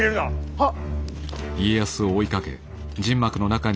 はっ！